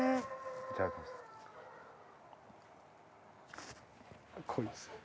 いただきます。